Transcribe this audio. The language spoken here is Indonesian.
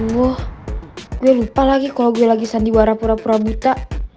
gue lupa lagi kalau gue lagi sandiwara pura pura buta